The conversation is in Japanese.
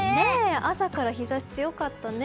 朝から日差しが強かったね。